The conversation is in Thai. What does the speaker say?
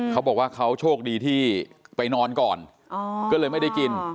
เขาบอกว่าเขาโชคดีที่ไปนอนก่อนก็เลยไม่ได้กิน